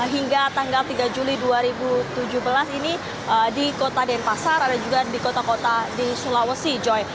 hingga tanggal tiga juli dua ribu tujuh belas ini di kota denpasar ada juga di kota kota di sulawesi joy